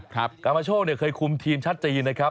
กามาโชว์เนี่ยเคยคุมทีมชัดจีนีนะครับ